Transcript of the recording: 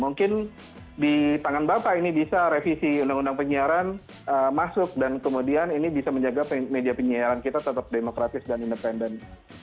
mungkin di tangan bapak ini bisa revisi undang undang penyiaran masuk dan kemudian ini bisa menjaga media penyiaran kita tetap demokratis dan independen